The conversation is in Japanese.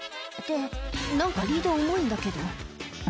「って何かリード重いんだけど」